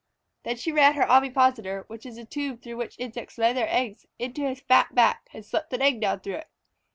Then she ran her ovipositor, which is the tube through which insects lay their eggs, into his fat back and slipped an egg down through it.